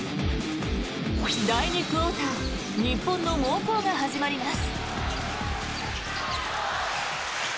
第２クオーター日本の猛攻が始まります。